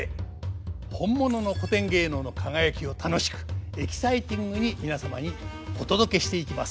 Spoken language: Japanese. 本物の古典芸能の輝きを楽しくエキサイティングに皆様にお届けしていきます。